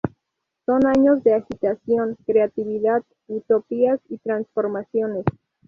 Son años de agitación, creatividad, utopías y transformaciones.